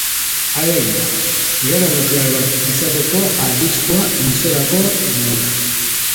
Alegia, gerra nuklear bat izateko arriskua luzerako dugula.